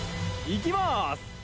「いきまーす！」